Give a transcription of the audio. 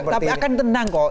tapi akan tenang kok